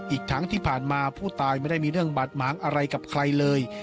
อีกทั้งที่ผ่านมาผู้ตายไม่ได้มีเรื่องบาดหมางอะไรกับใครเลย